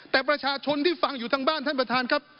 แต่ประชาชนที่ฟังอยู่ทางบ้านท่านประธานครับ